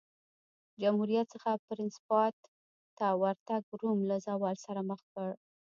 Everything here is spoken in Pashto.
جمهوریت څخه پرنسیپات ته ورتګ روم له زوال سره مخ کړ